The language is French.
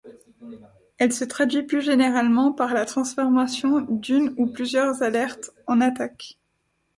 Elle se traduit plus généralement par la transformation d'une ou plusieurs alertes en attaque.